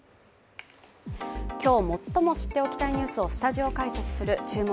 今日、最も知っておきたいニュースをスタジオ解説する「注目！